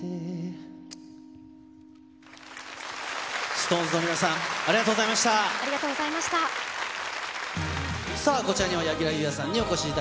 ＳｉｘＴＯＮＥＳの皆さん、ありがとうございました。